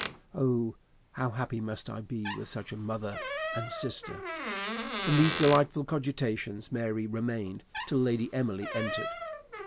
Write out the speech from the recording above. Oh, how happy must I be with such a mother and sister!" In these delightful cogitations Mary remained till Lady Emily entered.